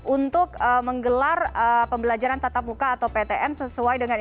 untuk menggelar pembelajaran tatap muka atau ptm sesuai dengan ya